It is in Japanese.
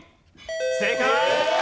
正解！